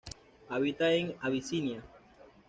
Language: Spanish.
Habita en Abisinia.